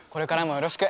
よろしく！